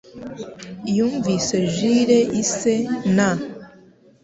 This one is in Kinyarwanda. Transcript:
Yumvise Jule, ise, na